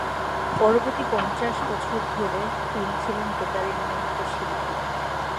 পরবর্তী পঞ্চাশ বৎসর ধরে তিনি ছিলেন বেতারের নিয়মিত শিল্পী।